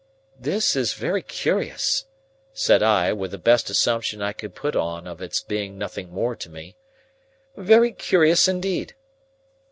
"This is very curious!" said I, with the best assumption I could put on of its being nothing more to me. "Very curious indeed!"